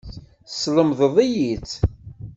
Teslemdeḍ-iyi-tt.